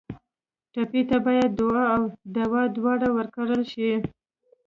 ټپي ته باید دعا او دوا دواړه ورکړل شي.